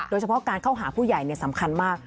โดยเฉพาะการเข้าหาผู้ใหญ่สำคัญมาก